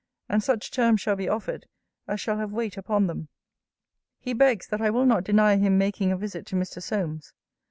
And such terms shall be offered, as shall have weight upon them. 'He begs, that I will not deny him making a visit to Mr. Solmes.